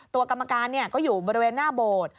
กรรมการก็อยู่บริเวณหน้าโบสถ์